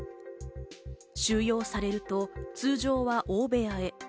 収容されると通常は大部屋へ。